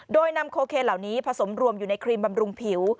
โดยนำโคเคนเหล่านี้ผสมรวมอยู่ในครีมบำรุงผิว